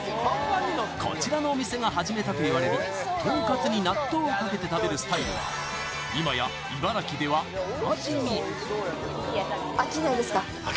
こちらのお店が始めたといわれるとんかつに納豆をかけて食べるスタイルは今や飽きないですか？